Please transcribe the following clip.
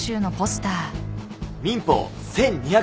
民法１２００条は？